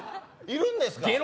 いるんですか？